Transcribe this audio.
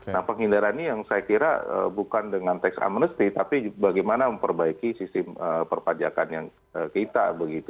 nah penghindaran ini yang saya kira bukan dengan tax amnesty tapi bagaimana memperbaiki sistem perpajakan yang kita begitu